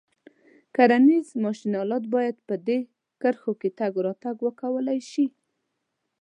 کرنیز ماشین آلات باید په دې کرښو کې تګ راتګ وکولای شي.